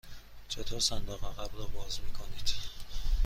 چطور صندوق عقب را باز می کنید؟